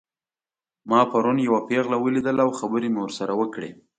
ما پرون یوه پیغله ولیدله او خبرې مې ورسره وکړې